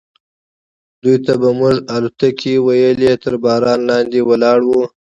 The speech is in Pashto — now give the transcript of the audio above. دوی ته به موږ الوتکې ویلې، تر باران لاندې ولاړ و.